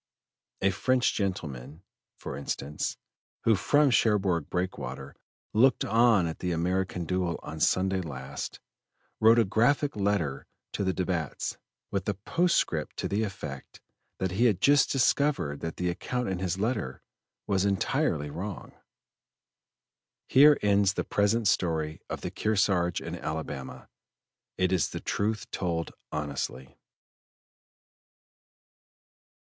A French gentleman, for instance, who from Cherbourg Breakwater looked on at the American duel on Sunday last, wrote a graphic letter to the Debats, with a postscript to the effect that he had just discovered that the account in his letter was entirely wrong." Here ends the present story of the Kearsarge and Alabama. It is the truth told honestly.